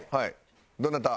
どなた？